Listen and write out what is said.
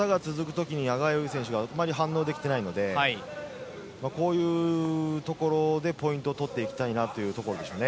この技が続く時にアガイェフ選手があまり反応できていないのでこういうところでポイントを取っていきたいところでしょう。